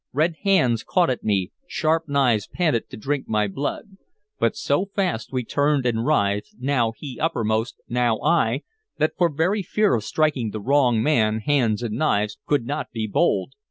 Red hands caught at me, sharp knives panted to drink my blood; but so fast we turned and writhed, now he uppermost, now I, that for very fear of striking the wrong man hands and knives could not be bold.